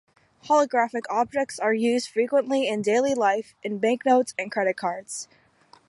Holographic objects are used frequently in daily life in bank notes and credit cards.